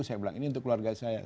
saya bilang ini untuk keluarga saya